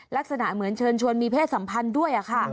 ลักษณะเหมือนเชิญชวนมีเพศสัมพันธ์ด้วยค่ะ